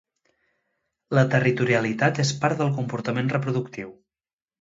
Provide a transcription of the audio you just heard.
La territorialitat és part del comportament reproductiu.